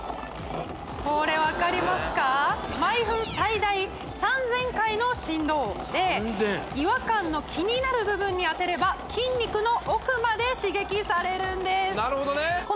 毎分最大３０００回の振動で違和感の気になる部分に当てれば筋肉の奥まで刺激されるんですなるほどね